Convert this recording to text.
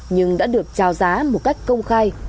nhưng đã được trao giá một cách công khai